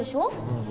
うん。